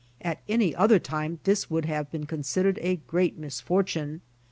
At any other time this would have been considered a great misfortune.